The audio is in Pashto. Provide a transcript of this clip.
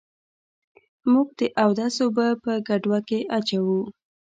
موږ د اودس اوبه په ګډوه کي اچوو.